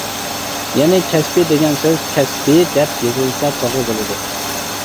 يەنى، «كەسپى» دېگەن سۆز «كەسپىي» دەپ يېزىلسا توغرا بولىدۇ.